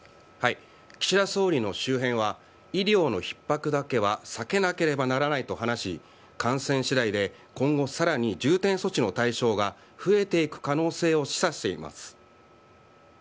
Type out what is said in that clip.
岸田総理の周辺は医療のひっ迫だけは避けなければならないと話し感染次第で今後さらに重点措置の対象が増えていく可能性を示唆しています。